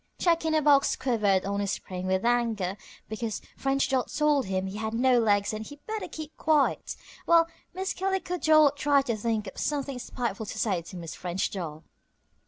Jack in a box quivered on his spring with anger because French Doll told him he had no legs and he better keep quiet, while Miss Calico Doll tried to think of something spiteful to say to Miss French Doll.